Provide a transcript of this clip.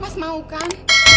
mas mau kan